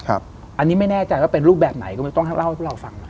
อันนี้ไม่แน่ใจว่าเป็นรูปแบบไหนก็ไม่ต้องเล่าให้พวกเราฟังนะ